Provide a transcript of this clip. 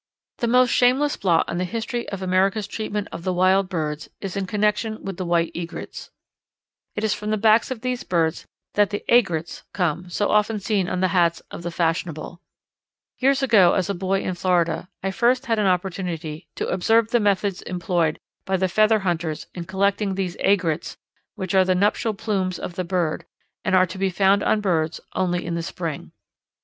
_ The most shameless blot on the history of America's treatment of the wild birds is in connection with the White Egrets. It is from the backs of these birds that the "aigrettes" come, so often seen on the hats of the fashionable. Years ago, as a boy in Florida, I first had an opportunity to observe the methods employed by the feather hunters in collecting these aigrettes which are the nuptial plumes of the bird and are to be found on birds only in the spring.